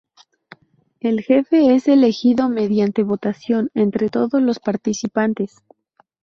El jefe es elegido mediante votación entre todos los participantes.